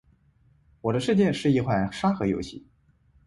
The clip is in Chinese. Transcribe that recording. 《我的世界》是一款沙盒游戏。